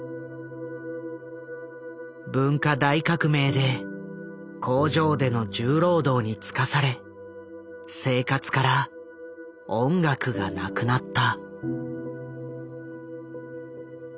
文化大革命で工場での重労働に就かされ生活から音楽がなくなった。